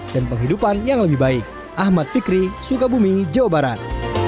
dan penghidupan yang lebih baik ahmad fikri sukabumi jawa barat